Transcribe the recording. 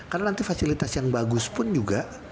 karena nanti fasilitas yang bagus pun juga